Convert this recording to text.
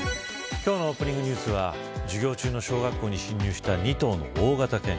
今日のオープニングニュースは授業中の小学校に侵入した２頭の大型犬。